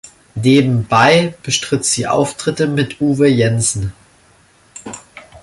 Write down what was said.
Nebenbei bestritt sie Auftritte mit Uwe Jensen.